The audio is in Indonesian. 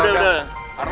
udah udah udah